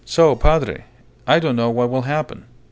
"So, Padre, I don't know what will happen.